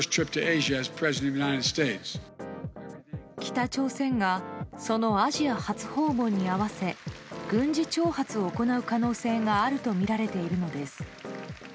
北朝鮮がそのアジア初訪問に合わせ軍事挑発を行う可能性があるとみられているのです。